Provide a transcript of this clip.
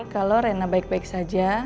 kalau rena baik baik saja